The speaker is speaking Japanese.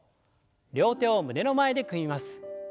両手を胸の前で組みます。